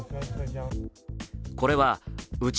これは内